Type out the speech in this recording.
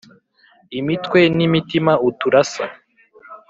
imitwe n’imitima uturasa